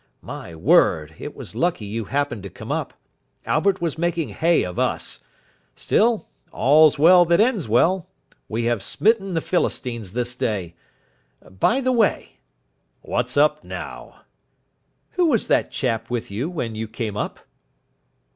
My word, it was lucky you happened to come up. Albert was making hay of us. Still, all's well that ends well. We have smitten the Philistines this day. By the way " "What's up now?" "Who was that chap with you when you came up?"